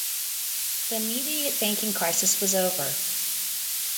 The immediate banking crisis was over.